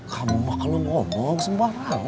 kamu mah kalau ngomong sembarang